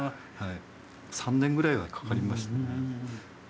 ３年ぐらいはかかりました。